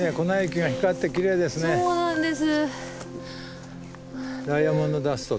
そうなんです。